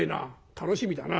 楽しみだな。